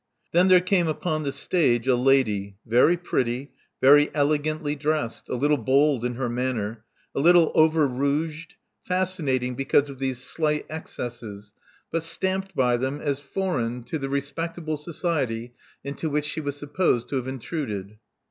Then there came upon the stage a lady, very pretty, very elegantly dressed, a little bold in her manner, a little over roughed, fascinating because of these slight excesses, but stamped by them as foreign to the Love Among the Artists 24JI , respectable society into which she was supposed to have intruded.